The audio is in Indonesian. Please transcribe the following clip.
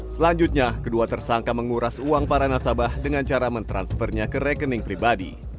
selanjutnya kedua tersangka menguras uang para nasabah dengan cara mentransfernya ke rekening pribadi